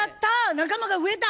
仲間が増えた！